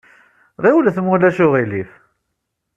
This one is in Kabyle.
Ɣiwlet ma ulac aɣilif!